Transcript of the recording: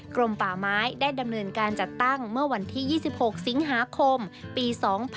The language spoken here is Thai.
กรมป่าไม้ได้ดำเนินการจัดตั้งเมื่อวันที่๒๖สิงหาคมปี๒๕๖๒